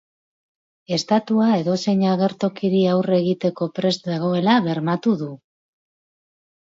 Estatua edozein agertokiri aurre egiteko prest dagoela bermatu du.